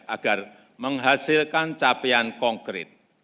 agar menghasilkan capaian konkret